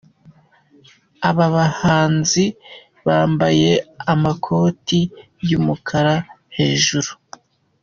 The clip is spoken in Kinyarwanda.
Aba bahanzi bambaye amakoti y’umukara hejuru.